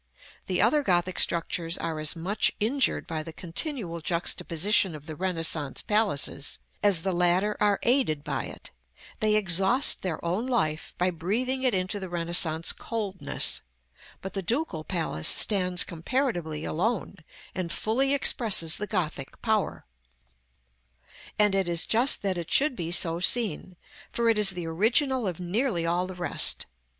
The other Gothic structures are as much injured by the continual juxtaposition of the Renaissance palaces, as the latter are aided by it; they exhaust their own life by breathing it into the Renaissance coldness: but the Ducal Palace stands comparatively alone, and fully expresses the Gothic power. [Illustration: Fig. XXI.] § III. And it is just that it should be so seen, for it is the original of nearly all the rest.